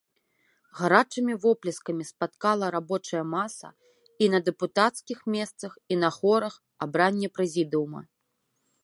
Гарачымі воплескамі спаткала рабочая маса, і на дэпутацкіх месцах і на хорах, абранне прэзідыума.